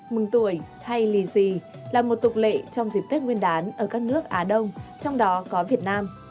mừng tuổi hay lì xì là một tục lệ trong dịp tết nguyên đán ở các nước á đông trong đó có việt nam